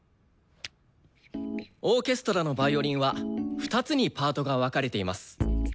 オーケストラのヴァイオリンは２つにパートが分かれています。